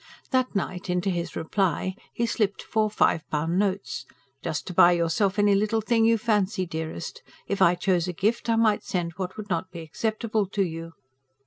That night, into his reply he slipped four five pound notes. JUST TO BUY YOURSELF ANY LITTLE THING YOU FANCY, DEAREST. IF I CHOSE A GIFT, I MIGHT SEND WHAT WOULD NOT BE ACCEPTABLE TO YOU.